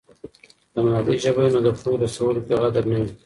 که مادي ژبه وي نو د پوهې رسولو کې غدر نه وي.